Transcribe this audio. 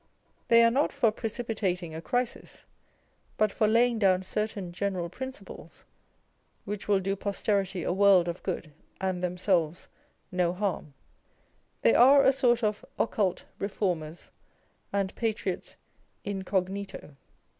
They are not for precipi tating a crisis, but for laying down certain general pinciples, which will do posterity a world of good and themselves no harm. They are a sort of occult reformers, and patriots incognito.